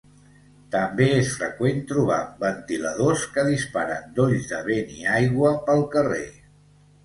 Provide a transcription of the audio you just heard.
També és freqüent trobar ventiladors que disparen dolls de vent i aigua pel carrer.